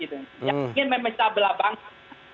yang ingin memecah belah bangsa